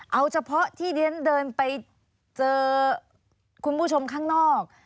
เอาเฉพาะที่ดิฉันเดินไปเจอคุณผู้ชมข้างนอก